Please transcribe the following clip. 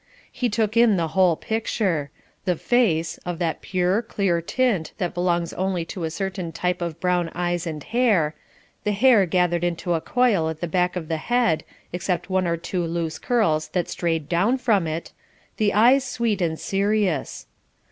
He took in the whole picture. The face, of that pure, clear tint that belongs only to a certain type of brown eyes and hair, the hair gathered into a coil at the back of the head, except one or two loose curls that strayed down from it, the eyes sweet and serious.